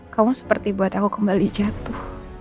kamu seperti buat aku kembali jatuh